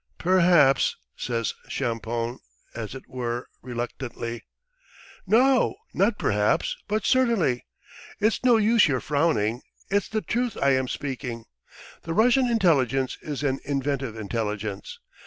"Perhaps," says Champoun, as it were reluctantly. "No, not perhaps, but certainly! It's no use your frowning, it's the truth I am speaking. The Russian intelligence is an inventive intelligence.